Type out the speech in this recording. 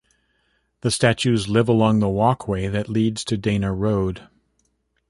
The statues live along the walkway that leads to Dana Road.